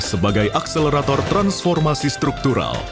sebagai akselerator transformasi struktural